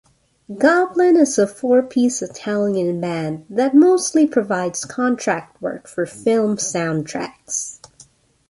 Goblin is a four-piece Italian band that mostly provides contract work for film soundtracks.